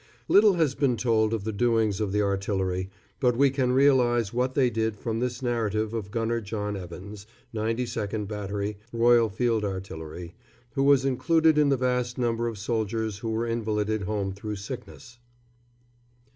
Little has been told of the doings of the artillery, but we can realise what they did from this narrative of Gunner John Evans, 92nd Battery, Royal Field Artillery, who was included in the vast number of soldiers who were invalided home through sickness.